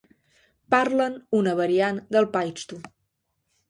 Parlen una variant del paixtu.